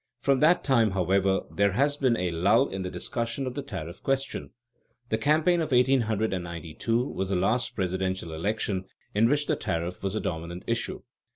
From that time, however, there has been a lull in the discussion of the tariff question. The campaign of 1892 was the last presidential election in which the tariff was the dominant issue.